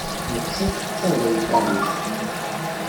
Nettat d Tabriṭanit.